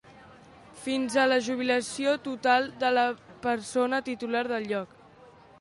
Fins a la jubilació total de la persona titular del lloc.